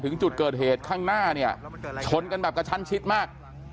ถึงจุดเกิดเหตุข้างหน้าเนี่ยชนกันแบบกระชั้นชิดมาก